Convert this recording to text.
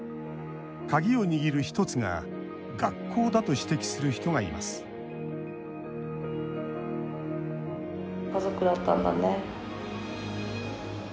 鍵を握る１つが学校だと指摘する人がいます家族だったんだね。